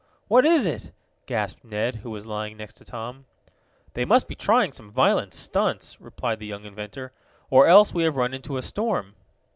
"What is it?" gasped Ned, who was lying next to Tom. "They must be trying some violent stunts," replied the young inventor, "or else we have run into a storm."